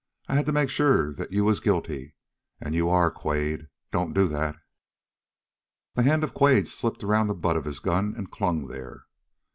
I had to make sure that you was guilty. And you are, Quade. Don't do that!" The hand of Quade slipped around the butt of his gun and clung there.